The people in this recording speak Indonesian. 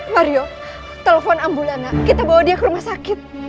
mario telepon ambulana kita bawa dia ke rumah sakit